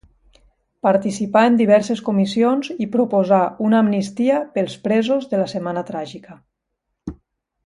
Participà en diverses comissions i proposà una amnistia pels presos de la Setmana Tràgica.